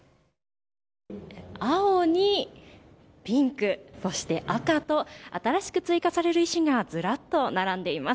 青にピンク、そして赤と、新しく追加される石がずらっと並んでいます。